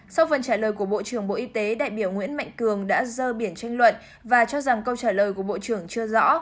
sau phần trả lời của bộ trưởng bộ y tế đại biểu nguyễn mạnh cường đã dơ biển tranh luận và cho rằng câu trả lời của bộ trưởng chưa rõ